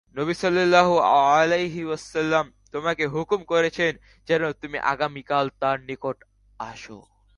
নবী সাল্লাল্লাহু আলাইহি ওয়াসাল্লাম তোমাকে হুকুম করছেন যেন তুমি আগামীকাল তাঁর নিকট আস।